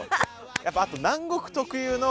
やっぱあと南国特有のストレス